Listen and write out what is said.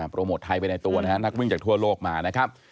โปรโมทไทยไปในตัวนะฮะนักวิ่งจากทั่วโลกมานะครับ